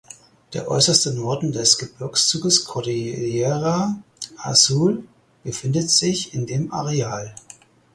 Der äußerste Norden des Gebirgszugs Cordillera Azul befindet sich in dem Areal.